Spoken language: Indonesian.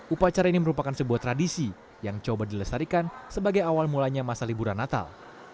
upacara ini merupakan sebuah tradisi yang coba dilestarikan sebagai awal mulanya masa liburan natal